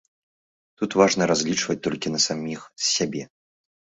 Тут важна разлічваць толькі на саміх сябе.